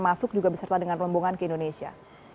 masuk juga beserta dengan rombongan ke indonesia